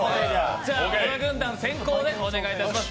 小田軍団先攻でお願いします。